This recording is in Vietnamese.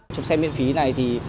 trong xe miễn phí này